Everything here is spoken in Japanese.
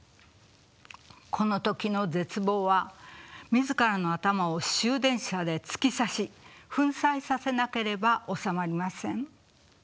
この時の絶望は自らの頭を終電車で突き刺しフンサイさせなければ収まりません。